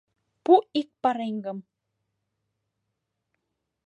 Пу ик пареҥгым.